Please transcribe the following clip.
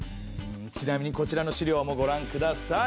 ちなみにこちらの資料もごらんください。